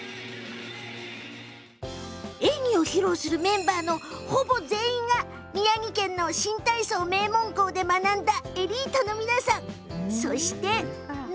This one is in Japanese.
演技を披露するメンバーのほぼ全員が宮城県の新体操の名門校で学んだエリートたちなの。